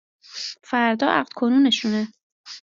فردا عقد کنونشونه